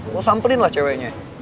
lo samperin lah ceweknya